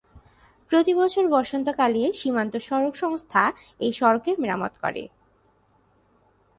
প্রতি বছর বসন্তকালে সীমান্ত সড়ক সংস্থা এই সড়কের মেরামত করে।